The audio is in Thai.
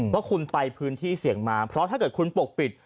ว่าคุณไปพื้นที่เสี่ยงมาเพราะถ้าเกิดคุณปกปิด